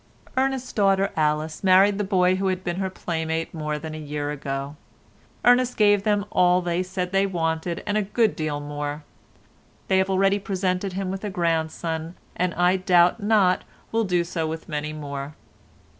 Ernest's daughter Alice married the boy who had been her playmate more than a year ago. Ernest gave them all they said they wanted and a good deal more. They have already presented him with a grandson, and I doubt not, will do so with many more.